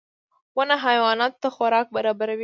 • ونه حیواناتو ته خوراک برابروي.